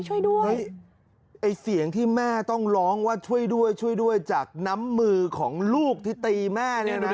เฮ้ยเสียงที่แม่ต้องร้องว่าช่วยด้วยจากน้ำมือของลูกที่ตีแม่นี่นะ